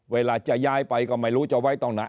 เวลาจะย้ายไปก็ไม่รู้จะไว้ตรงไหน